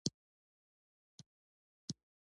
پیاله د زړه تړاو څرګندوي.